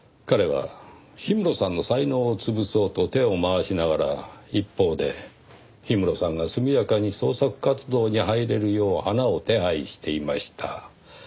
彼は氷室さんの才能を潰そうと手を回しながら一方で氷室さんが速やかに創作活動に入れるよう花を手配していました。